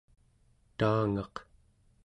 taangaq